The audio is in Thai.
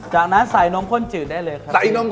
จากนั้นใส่นมข้นจืดได้เลยครับ